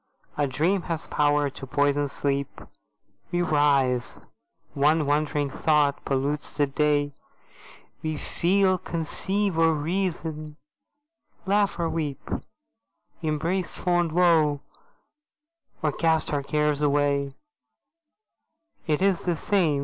A dream has power to poison sleep; We rise. One wandering thought pollutes the day; We feel, conceive or reason, laugh or weep; Embrace fond woe, or cast our cares away: It is the same!